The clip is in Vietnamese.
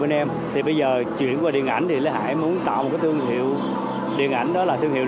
bên em thì bây giờ chuyển qua điện ảnh thì lý hải muốn tạo cái thương hiệu điện ảnh đó là thương hiệu